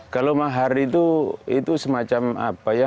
kalau mahar itu itu semacam apa ya